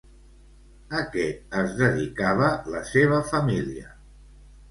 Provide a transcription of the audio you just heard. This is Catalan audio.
A què es dedicava la seva família?